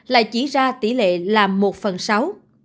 lại chỉ ra tỷ lệ là một phần sáu